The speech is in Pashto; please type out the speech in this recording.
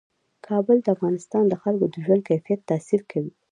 کابل د افغانستان د خلکو د ژوند کیفیت تاثیر کوي.